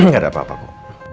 gak ada apa apaku